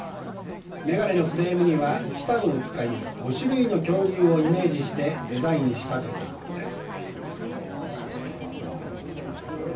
眼鏡のフレームにはチタンを使い５種類の恐竜をイメージしてデザインしたということです。